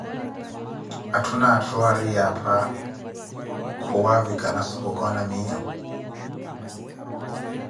atthu na atthu ariiye apha kuwaavikhana so khukoona miiyo.